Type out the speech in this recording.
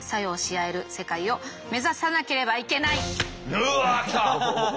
うわ来た！